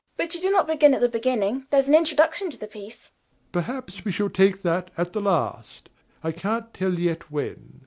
EMILY. But you do not begin at the beginning: there is an introduction to the piece. DOMINIE. Perhaps we shall take that at the last: I can't tell yet when.